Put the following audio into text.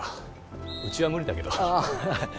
うちは無理だけどあっ